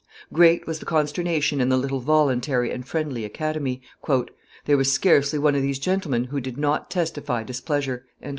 Great was the consternation in the little voluntary and friendly Academy. "There was scarcely one of these gentlemen who did not testify displeasure: MM.